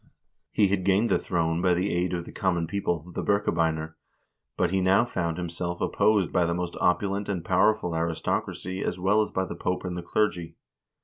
He had gained the throne by the aid of the common people, the Birkebeiner, but he now found himself opposed by the most opulent and powerful aristocracy as well as by the Pope and the clergy.